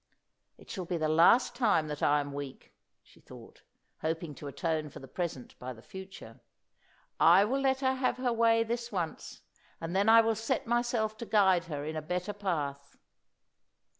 "It shall be the last time that I am weak," she thought, hoping to atone for the present by the future. "I will let her have her way this once, and then I will set myself to guide her in a better path."